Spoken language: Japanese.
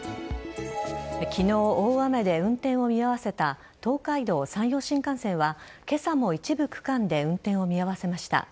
昨日、大雨で運転を見合わせた東海道・山陽新幹線は今朝も一部区間で運転を見合わせました。